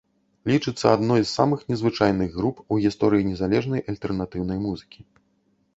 Лічыцца адной з самых незвычайных груп у гісторыі незалежнай альтэрнатыўнай музыкі.